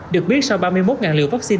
được biết sau ba mươi một liều vaccine